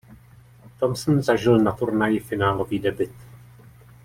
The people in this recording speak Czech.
Thompson zažil na turnaji finálový debut.